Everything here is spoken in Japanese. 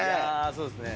そうですね。